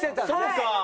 そうか！